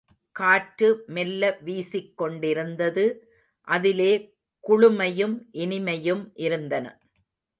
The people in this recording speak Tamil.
காற்று மெல்ல வீசிக் கொண்டிருந்தது, அதிலே குளுமையும் இனிமையும் இருந்தன.